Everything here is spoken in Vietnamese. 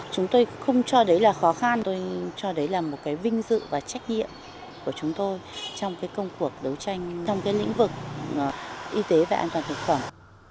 chúng tôi không cho đấy là khó khăn tôi cho đấy là một cái vinh dự và trách nhiệm của chúng tôi trong cái công cuộc đấu tranh trong cái lĩnh vực y tế và an toàn thực phẩm